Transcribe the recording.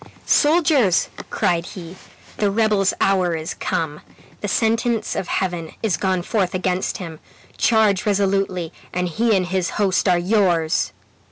"Soldiers!" cried he, "the rebel's hour is come. The sentence of Heaven is gone forth against him. Charge resolutely, and he and his host are yours!"